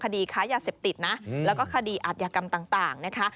คดีค้ายาเสพติดนะแล้วก็คดีอาจยากรรมต่างนะคะ